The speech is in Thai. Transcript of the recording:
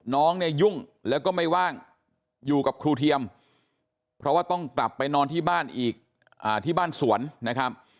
น้องเนี่ยยุ่งแล้วก็ไม่ว่างอยู่กับครูเทียมเพราะว่าต้องกลับไปนอนที่บ้านอีกที่บ้านสวนนะครับ